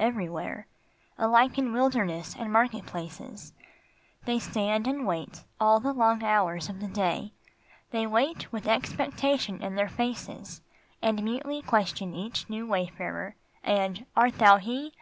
Every where, Alike in wilderness and market places, They stand and wait all the long hours of day. They wait with expectation in their faces And mutely question each new wayfarer, And " Art thou he